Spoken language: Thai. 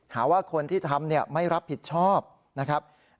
หาว่าคนที่ทำไม่รับผิดชอบนะครับ